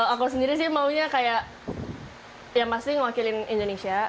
aku sendiri sih maunya kayak yang pasti ngewakilin indonesia